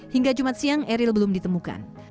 hingga jumat siang eril belum ditemukan